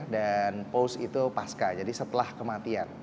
dan post itu pasca jadi setelah kematian